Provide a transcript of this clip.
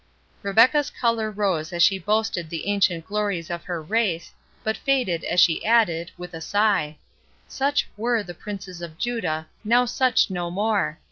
Rebecca's colour rose as she boasted the ancient glories of her race, but faded as she added, with at sigh, "Such WERE the princes of Judah, now such no more!